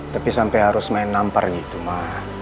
tapi sampai harus main nampar gitu mah